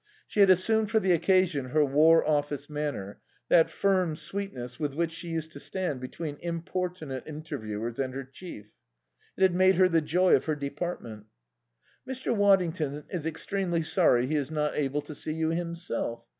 She had assumed for the occasion her War Office manner, that firm sweetness with which she used to stand between importunate interviewers and her chief. It had made her the joy of her department. "Mr. Waddington is extremely sorry he is not able to see you himself.